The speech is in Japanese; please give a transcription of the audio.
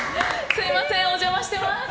すみません、お邪魔してます。